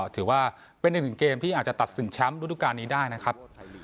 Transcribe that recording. ถือว่าเป็นหนึ่งอย่างที่อาจจะตัดสินช้าหนึ่งการนี้ได้นะครับ